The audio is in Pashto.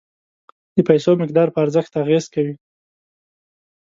د پیسو مقدار په ارزښت اغیز کوي.